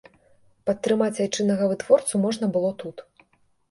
Падтрымаць айчыннага вытворцу можна было тут.